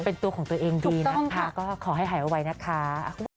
เป็นตัวของตัวเองดีนะคะก็ขอให้หายไวนะคะ